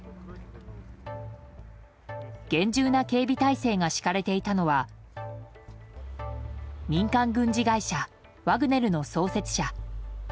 厳重な警備態勢が敷かれていたのは民間軍事会社ワグネルの創設者